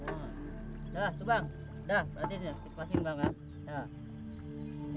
taruh taruh taruh